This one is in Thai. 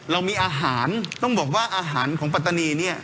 เรามีอาหารต้องบอกว่าอาหารของปัตตานีเนี่ย